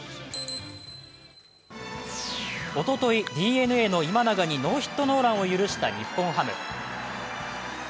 おとといＤｅＮＡの今永にノーヒットノーランを許した日本ハム。